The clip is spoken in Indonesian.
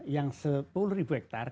yang sepuluh ribu hektar